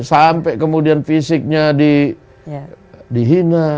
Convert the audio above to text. sampai kemudian fisiknya dihina